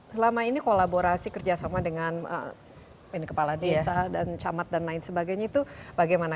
selama ini kolaborasi kerjasama dengan kepala desa dan camat dan lain sebagainya itu bagaimana